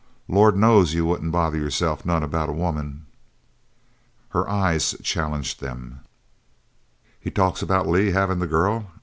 Lord knows you wouldn't bother yourselves none about a woman." Her eyes challenged them. "He talks about Lee havin' the girl?"